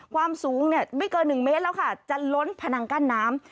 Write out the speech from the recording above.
ความสูงไม่เกินหนึ่งเมซัลล์จะล้นผนังกั้นน้ำ